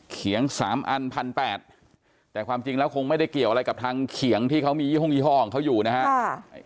เขียง๓อัน๑๘๐๐แต่ความจริงแล้วคงไม่ได้เกี่ยวอะไรกับทางเขียงที่เขามียี่ห้อยี่ห้อของเขาอยู่นะครับ